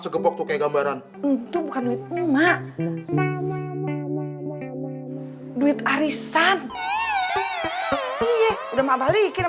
segebok tuh kayak gambaran untuk bukan duit emak duit arisan udah mau balikin